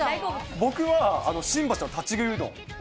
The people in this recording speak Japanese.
僕は新橋の立ち食いうどん。